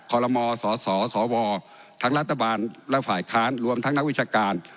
ลมสสวทั้งรัฐบาลและฝ่ายค้านรวมทั้งนักวิชาการ